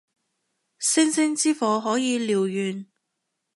星星之火可以燎原